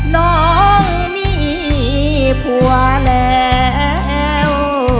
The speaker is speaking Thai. น้องมีผัวแล้ว